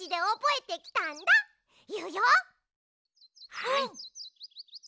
はい。